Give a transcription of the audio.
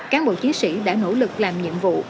cán bộ chiến sĩ đã nỗ lực làm nhiệm vụ